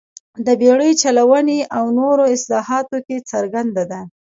د بېړۍ چلونې او نورو اصلاحاتو کې څرګنده ده.